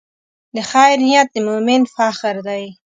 د خیر نیت د مؤمن فخر دی.